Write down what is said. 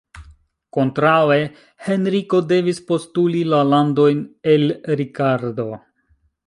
Kontraŭe, Henriko devis postuli la landojn el Rikardo.